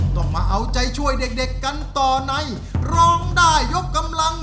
ต้องมาเอาใจช่วยเด็กกันต่อในร้องได้ยกกำลัง